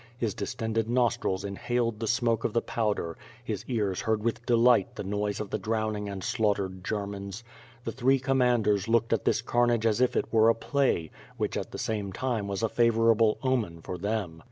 His distended nostrils inhaled the smoke of the pow der, his ears heard with delight the noise of the drowning and slaughtered Germans. The three commanders looked at this carnage as if it were a play, which at the same time was a favorable omen for them.